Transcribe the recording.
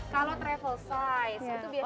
kalau travel size itu biasanya